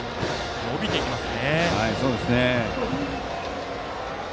伸びていきますね。